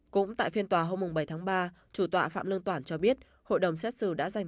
cũng tại phiên tòa hôm bảy tháng ba chủ tọa phạm lương toản cho biết hội đồng xét xử đã dành